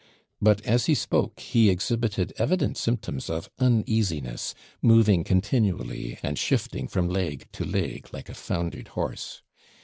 But, as he spoke, he exhibited evident symptoms of uneasiness, moving continually, and shifting from leg to leg like a foundered horse.